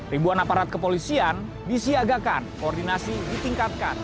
ribuan aparat kepolisian disiagakan koordinasi ditingkatkan